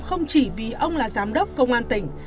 không chỉ vì ông là giám đốc công an tỉnh